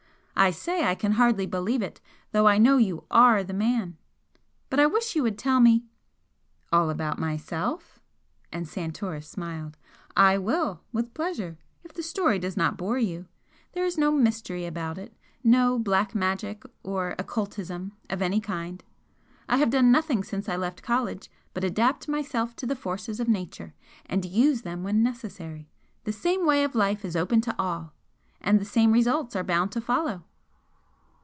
I say I can hardly believe it, though I know you ARE the man. But I wish you would tell me " "All about myself?" And Santoris smiled "I will, with pleasure! if the story does not bore you. There is no mystery about it no 'black magic,' or 'occultism' of any kind. I have done nothing since I left college but adapt myself to the forces of Nature, AND TO USE THEM WHEN NECESSARY. The same way of life is open to all and the same results are bound to follow."